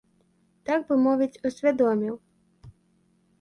Так бы мовіць, усвядоміў.